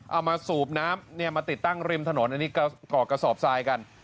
มาสูบน้ำมาติดตั้งริมถนนอันนี้ก่อกระสอบทรายกัน